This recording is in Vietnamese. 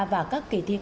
và các kỳ thi quốc gia